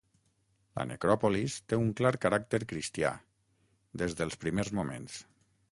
La necròpolis té un clar caràcter cristià, des dels primers moments.